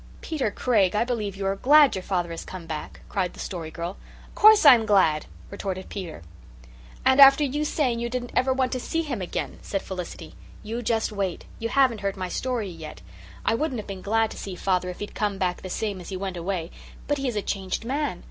"Peter Craig, I believe you are glad your father has come back," cried the Story Girl. "'Course I'm glad," retorted Peter. "And after you saying you didn't want ever to see him again," said Felicity. "You just wait. You haven't heard my story yet. I wouldn't have been glad to see father if he'd come back the same as he went away. But he is a changed man.